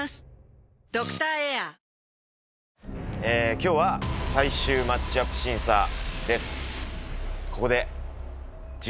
今日は最終マッチアップ審査です。